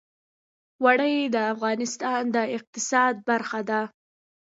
اوړي د افغانستان د اقتصاد برخه ده.